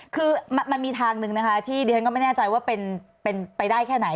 คือมันมีทางหนึ่งนะคะที่ดิฉันก็ไม่แน่ใจว่าเป็นไปได้แค่ไหน